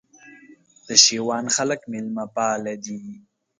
د شېوان خلک مېلمه پاله دي